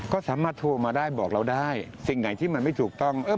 ก็สามารถโทรมาได้บอกเราได้สิ่งไหนที่มันไม่ถูกต้อง